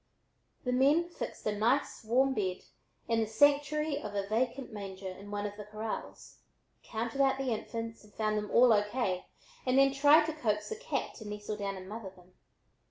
The men fixed a nice warm bed in the sanctuary of a vacant manger in one of the corrals, counted out the infants and found them all O. K., and then tried to coax the cat to nestle down and mother them.